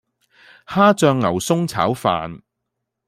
蝦醬牛崧炒飯